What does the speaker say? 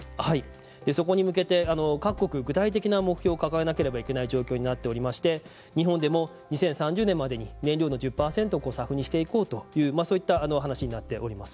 そこに向けて各国具体的な目標を掲げなければいけない状況になっておりまして日本でも２０３０年までに燃料の１０％をＳＡＦにしていこうというそういった話になっております。